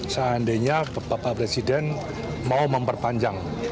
seandainya bapak presiden mau memperpanjang